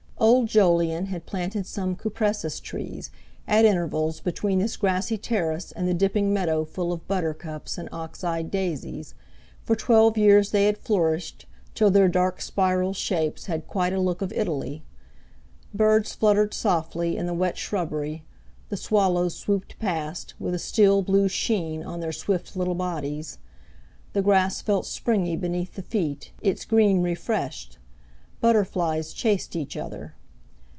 Old Jolyon had planted some cupressus trees, at intervals, between this grassy terrace and the dipping meadow full of buttercups and ox eyed daisies; for twelve years they had flourished, till their dark spiral shapes had quite a look of Italy. Birds fluttered softly in the wet shrubbery; the swallows swooped past, with a steel blue sheen on their swift little bodies; the grass felt springy beneath the feet, its green refreshed; butterflies chased each other.